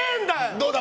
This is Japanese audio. どうだ